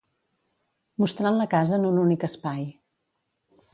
mostrant la casa en un únic espai